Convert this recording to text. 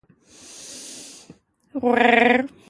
There won't be any good reporters left after awhile.